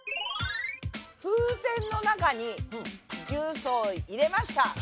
風船の中に重曹を入れました。